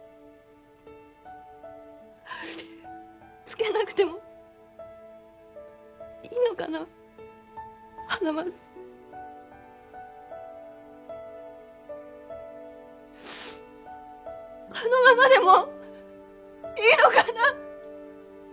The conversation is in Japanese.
つけなくてもいいのかな花丸このままでもいいのかな？